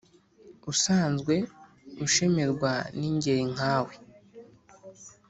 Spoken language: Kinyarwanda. Usanzwe ushemerwa n'ingeri nkawe